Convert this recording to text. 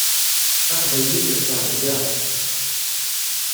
Taqbaylit d ttrebga.